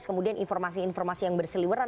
kemudian informasi informasi yang berseliweran